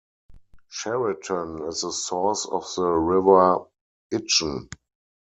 Cheriton is the Source of the River Itchen.